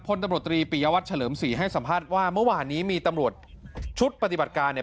พลตำรวจตรีปียวัตรเฉลิมศรีให้สัมภาษณ์ว่าเมื่อวานนี้มีตำรวจชุดปฏิบัติการเนี่ย